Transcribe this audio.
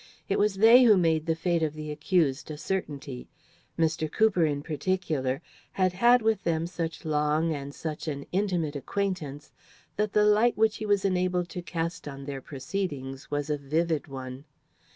It was they who made the fate of the accused a certainty. Mr. Cooper, in particular, had had with them such long and such an intimate acquaintance that the light which he was enabled to cast on their proceedings was a vivid one.